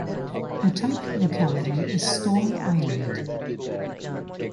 The type locality is Storr Island.